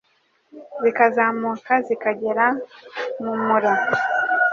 zikazamuka zikagera mu mura